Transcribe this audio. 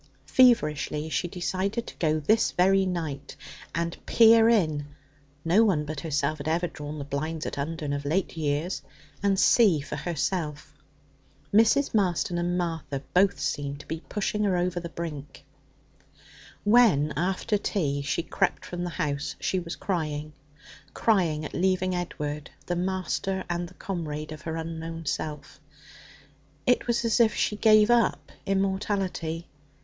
Feverishly she decided to go this very night and peer in (no one but herself had ever drawn the blinds at Undern of late years) and see for herself. Mrs. Marston and Martha both seemed to be pushing her over the brink. When, after tea, she crept from the house, she was crying crying at leaving Edward, the master and the comrade of her unknown self. It was as if she gave up immortality.